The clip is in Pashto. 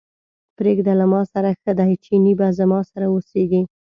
پرېږده له ماسره ښه دی، چينی به زما سره اوسېږي.